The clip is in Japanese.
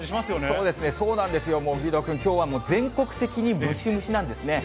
そうですね、そうなんですよ、義堂君、きょうはもう全国的にムシムシなんですね。